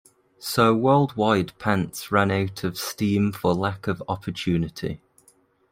So Worldwide Pants ran out of steam for lack of opportunity.